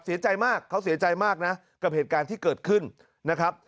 เสียใจมากเขาเสียใจมากนะกับเหตุการณ์ที่เกิดขึ้นนะครับ